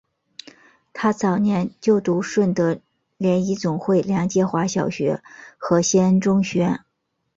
她早年就读顺德联谊总会梁洁华小学和协恩中学。